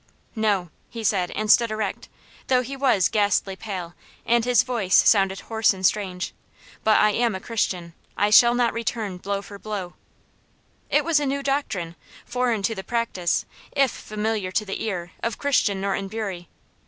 "No!" he said, and stood erect; though he was ghastly pale, and his voice sounded hoarse and strange "But I am a Christian. I shall not return blow for blow." It was a new doctrine; foreign to the practice, if familiar to the ear, of Christian Norton Bury.